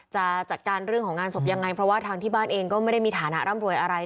จะจัดการเรื่องของงานศพยังไงเพราะว่าทางที่บ้านเองก็ไม่ได้มีฐานะร่ำรวยอะไร